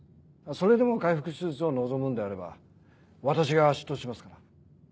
それでも開腹手術を望むんであれば私が執刀しますので。